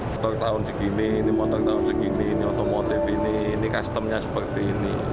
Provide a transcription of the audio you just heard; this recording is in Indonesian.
motor tahun segini ini motor tahun segini ini otomotif ini ini customnya seperti ini